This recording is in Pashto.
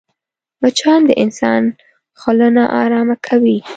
مچان د انسان خوله ناارامه کوي